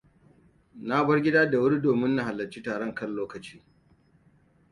Na bar gida da wuri domin na halarci taron kan lokaci.